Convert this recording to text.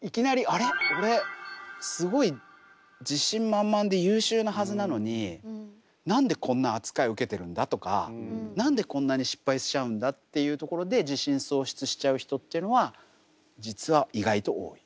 俺すごい自信満々で優秀なはずなのに何でこんな扱い受けてるんだ？とか何でこんなに失敗しちゃうんだ？っていうところで自信喪失しちゃう人っていうのは実は意外と多い。